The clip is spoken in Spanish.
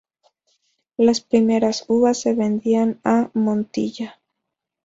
Las primeras uvas se vendían a Montilla.